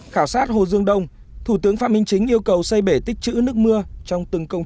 khảo sát hồ dương đông thủ tướng phạm minh chính yêu cầu xây bể tích chữ nước mưa trong từng công